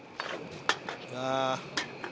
ああ。